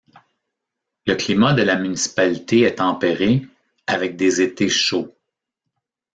Le climat de la municipalité est tempéré, avec des étés chauds.